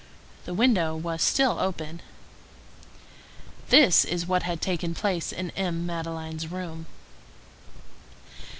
The window was still open. This is what had taken place in M. Madeleine's room.